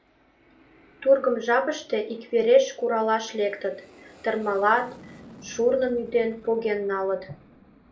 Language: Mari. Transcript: Тургым жапыште иквереш куралаш лектыт, тырмалат, шурным ӱден, поген налыт.